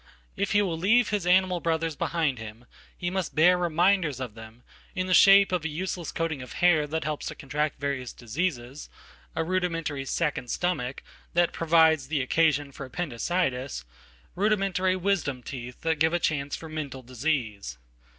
If he will leave hisanimal brothers behind him, he must bear reminders of them in theshape of a useless coating of hair that helps to contract variousdiseases, A rudimentary second stomach that provides the occasionfor appendicitis, rudimentary "wisdom teeth" that give a chance formental disease.